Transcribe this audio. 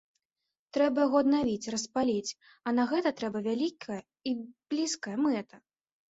Трэба яго аднавіць, распаліць, а на гэта трэба вялікая і блізкая мэта.